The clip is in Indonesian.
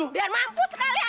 biar mampu sekali